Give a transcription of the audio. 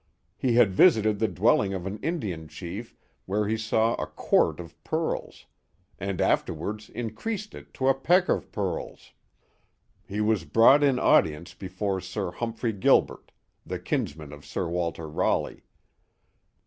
He had visited the dwelling of an Indian chief where he saw a quart of pearls; and afterwards increased it to a peck of pearls. He was brought in audience before Sir Humphrey Gilbert, the kinsman of Sir Walter Raleigh.